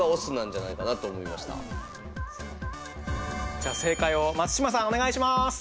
じゃあ正解を松島さんお願いします。